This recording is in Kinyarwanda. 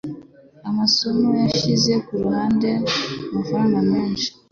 masomo yashyize ku ruhande amafaranga menshi.